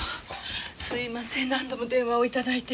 すみません何度も電話を頂いて。